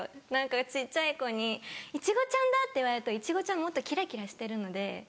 小っちゃい子に「いちごちゃんだ」って言われるといちごちゃんもっとキラキラしてるので。